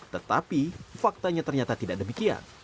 tetapi faktanya ternyata tidak demikian